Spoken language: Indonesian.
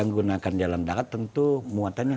menggunakan jalan darat tentu muatannya